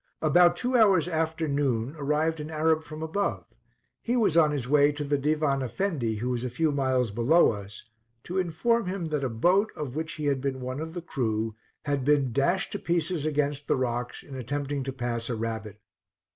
About two hours after noon arrived an Arab from above; he was on his way to the Divan Effendi, who was a few miles below us, to inform him that a boat, of which he had been one of the crew, had been dashed to pieces against the rocks in attempting to pass a rapid.